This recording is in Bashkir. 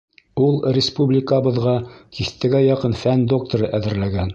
Ул республикабыҙға тиҫтәгә яҡын фән докторы әҙерләгән.